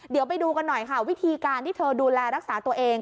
เดี๋ยวไปดูกันหน่อยค่ะวิธีการที่เธอดูแลรักษาตัวเอง